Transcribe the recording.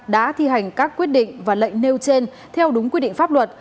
đã thi hành các quyết định và lệnh nêu trên theo đúng quy định pháp luật